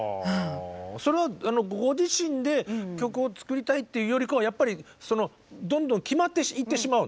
それはご自身で曲を作りたいというよりかはやっぱりどんどん決まっていってしまうの？